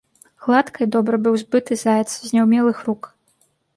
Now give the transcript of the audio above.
Гладка і добра быў збыты заяц з няўмелых рук.